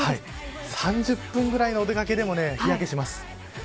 ３０分ぐらいのお出掛けでも日焼けします。